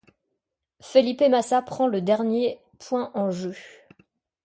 Felipe Massa prend le dernier point en jeu.